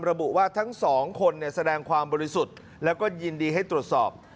ระบุว่าทั้งสองคนแสดงความบริสุทธิ์แล้วก็ยินดีให้ตรวจสอบ